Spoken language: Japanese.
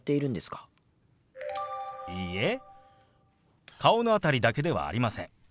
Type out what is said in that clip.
いいえ顔の辺りだけではありません。